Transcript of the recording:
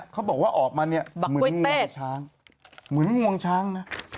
เขาบอกว่าออกมาเหมือนเงวงช้าง